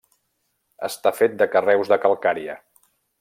Està fet de carreus de calcària.